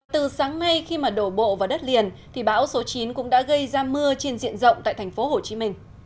từ sáng nay khi mà đổ bộ vào đất liền thì bão số chín cũng đã gây ra mưa trên diện rộng tại thành phố hồ chí minh